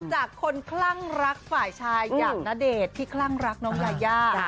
จากคนคลั่งรักฝ่ายชายอย่างณเดชน์ที่คลั่งรักน้องยายา